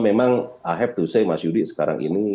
memang i have to say mas yudi sekarang ini